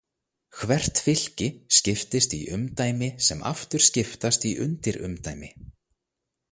Hvert fylki skiptist í umdæmi sem aftur skiptast í undirumdæmi.